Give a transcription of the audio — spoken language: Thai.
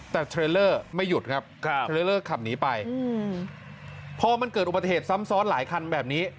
แต่เทรลเลอร์ไม่หยุดครับเทรลเลอร์ขับหนีไปพอมันเกิดอุบัติเหตุซ้ำซ้อนหลายคันแบบนี้